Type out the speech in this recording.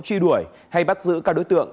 truy đuổi hay bắt giữ các đối tượng